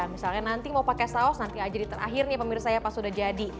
misalnya nanti mau pakai saus nanti aja di terakhir nih pemirsa ya pas sudah jadi